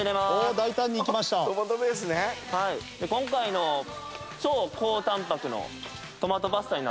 今回の超高タンパクのトマトパスタになってるんで。